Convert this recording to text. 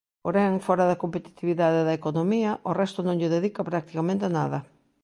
Porén, fóra da competitividade da economía, ao resto non lle dedica practicamente nada.